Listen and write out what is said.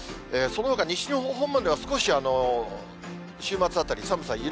そのほか、西日本方面では少し週末あたり、寒さ